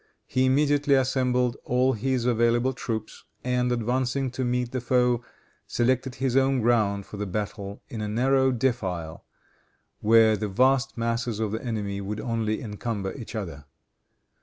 He immediately assembled all his available troops, and, advancing to meet the foe, selected his own ground for the battle in a narrow defile where the vast masses of the enemy would only encumber each other.